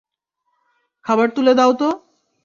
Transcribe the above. খাবার তুলে দাও তো!